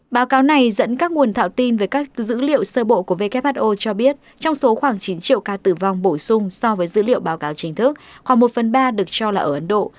báo cáo này dẫn các nguồn thạo tin về các dữ liệu sơ bộ của who cho biết trong số khoảng chín triệu ca tử vong bổ sung so với dữ liệu báo cáo chính thức khoảng một phần ba được cho là ở ấn độ